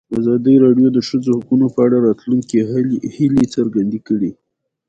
ازادي راډیو د د ښځو حقونه په اړه د راتلونکي هیلې څرګندې کړې.